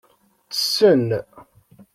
Ttessen.